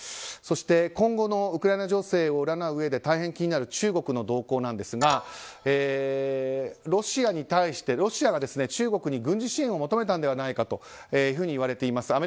そして、今後のウクライナ情勢を占ううえで大変気になる中国の動向ですがロシアに対してロシアが中国に軍事支援を求めたのではないかといわれています。